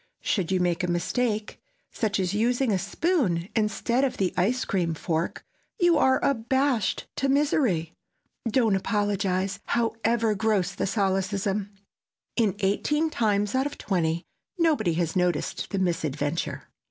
Should you make a mistake—such as using a spoon instead of the ice cream fork—you are abashed to misery. Don't apologize, however gross the solecism! In eighteen times out of twenty, nobody has noticed the misadventure.